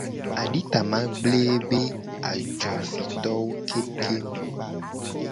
Aditama gble ebe ajofitowo kengukengu.